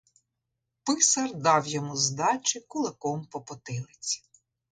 Писар дав йому здачі кулаком по потилиці.